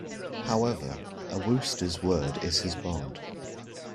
However, a Wooster's word is his bond.